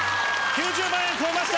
９０万円超えました。